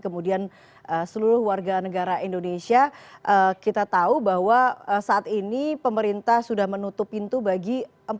kemudian seluruh warga negara indonesia kita tahu bahwa saat ini pemerintah sudah menutup pintu bagi